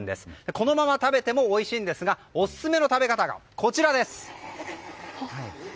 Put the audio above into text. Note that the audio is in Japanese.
このまま食べてもおいしいですがオススメの食べ方が、こちら。